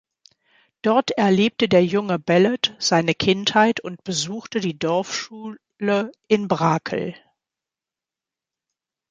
Dort erlebte der junge Ballot seine Kindheit und besuchte die Dorfschule in Brakel.